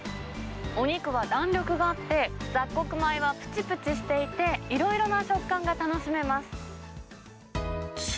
お肉は弾力があって、雑穀米はぷちぷちしていて、いろいろな食感が楽しめます。